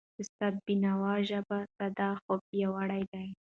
استاد د بینوا ژبه ساده، خو پیاوړی ده.